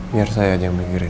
biar saya aja yang mikirin